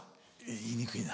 言いにくいな。